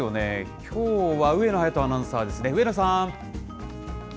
きょうは上野速人アナウンサーですね。